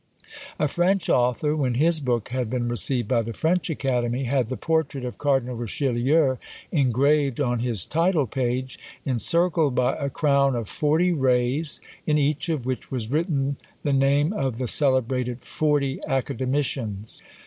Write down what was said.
A French author, when his book had been received by the French Academy, had the portrait of Cardinal Richelieu engraved on his title page, encircled by a crown of forty rays, in each of which was written the name of the celebrated forty academicians.